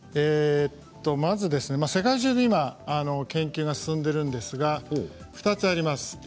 世界中で今研究が進んでいるんですが２つあります。